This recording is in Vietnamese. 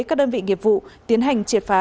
các đơn vị nghiệp vụ tiến hành triệt phá